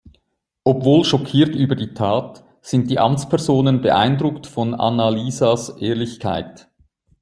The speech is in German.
Obwohl schockiert über die Tat, sind die Amtspersonen beeindruckt von Anna-Liisas Ehrlichkeit.